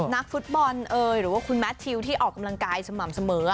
นักฟุตบอลหรือว่าคุณแมททิวที่ออกกำลังกายสม่ำเสมอ